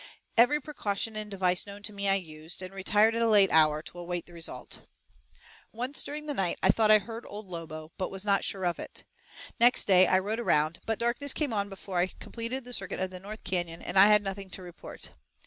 Every precaution and device known to me I used, and retired at a late hour to await the result. Once during the night I thought I heard Old Lobo, but was not sure of it. Next day I rode around, but darkness came on before I completed the circuit of the north canon, and I had nothing to report.